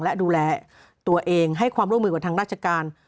และดูแลตัวเองให้ความร่วมมือกับทางราชการ